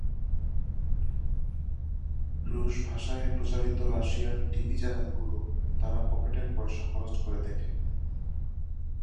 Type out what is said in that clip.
রুশ ভাষায় প্রচারিত রাশিয়ার টিভি চ্যানেলগুলো তারা পকেটের পয়সা খরচ করে দেখে।